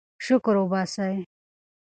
شکر وباسئ.